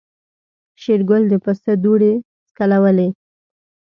شېرګل د پسه دوړې سکوللې.